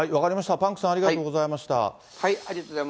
パンクさん、ありがとうございました。